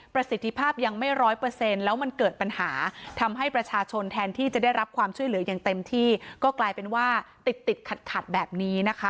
ประสิทธิภาพยังไม่ร้อยเปอร์เซ็นต์แล้วมันเกิดปัญหาทำให้ประชาชนแทนที่จะได้รับความช่วยเหลืออย่างเต็มที่ก็กลายเป็นว่าติดติดขัดขัดแบบนี้นะคะ